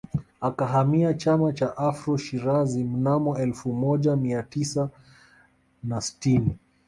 Akahamia Chama cha Afro Shirazi mnamo elfu moja mia tisa na sitini